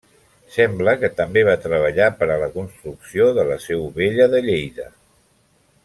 Sembla que també va treballar per a la construcció de la Seu Vella de Lleida.